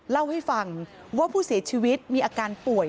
เล่าให้ฟังว่าผู้เสียชีวิตมีอาการป่วย